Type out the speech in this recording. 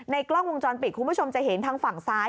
กล้องวงจรปิดคุณผู้ชมจะเห็นทางฝั่งซ้าย